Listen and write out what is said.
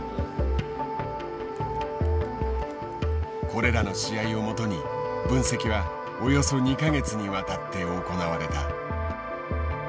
これらの試合をもとに分析はおよそ２か月にわたって行われた。